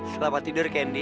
selamat tidur candy